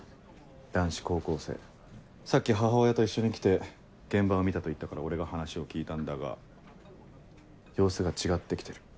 男子高校生さっき母親と一緒に来て現場を見たと言ったから俺が話を聞いたんだが様子が違って来てる。